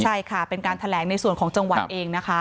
ใช่ค่ะเป็นการแถลงในส่วนของจังหวัดเองนะคะ